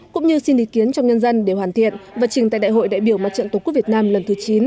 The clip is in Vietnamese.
cũng như xin ý kiến trong nhân dân để hoàn thiện và trình tại đại hội đại biểu mặt trận tổ quốc việt nam lần thứ chín